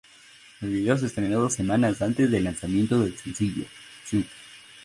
El video se estrenó dos semanas antes del lanzamiento del sencillo.